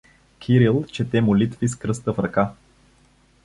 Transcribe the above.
Кирил чете молитви с кръста в ръка.